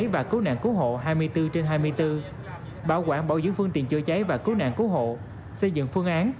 và cứu nạn cứu hộ hai mươi bốn trên hai mươi bốn bảo quản bảo dưỡng phương tiện chữa cháy và cứu nạn cứu hộ xây dựng phương án